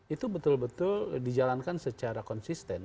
itu betul betul dijalankan secara konsisten